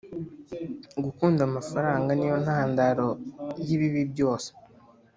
gukunda amafaranga niyo ntandaro y'ibibi byose.